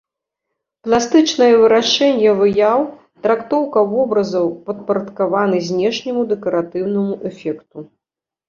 Пластычнае вырашэнне выяў, трактоўка вобразаў падпарадкаваны знешняму дэкаратыўнаму эфекту.